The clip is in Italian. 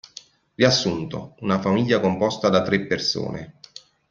Riassunto: Una famiglia composta da tre persone.